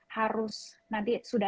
harus nanti sudah